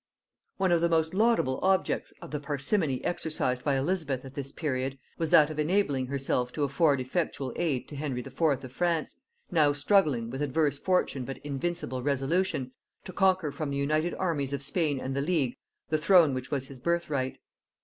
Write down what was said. _ One of the most laudable objects of the parsimony exercised by Elizabeth at this period was that of enabling herself to afford effectual aid to Henry IV. of France, now struggling, with adverse fortune but invincible resolution, to conquer from the united armies of Spain and the League the throne which was his birthright.